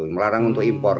melarang untuk impor